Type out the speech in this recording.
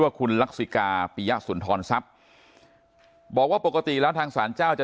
คุณลักษิกาปียะสุนทรทรัพย์บอกว่าปกติแล้วทางศาลเจ้าจะ